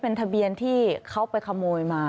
เป็นทะเบียนที่เขาไปขโมยมา